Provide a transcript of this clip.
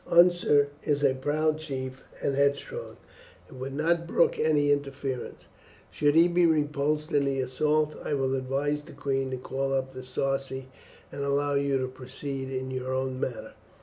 Unser is a proud chief, and headstrong, and would not brook any interference. Should he be repulsed in the assault, I will advise the queen to call up the Sarci, and allow you to proceed in your own manner."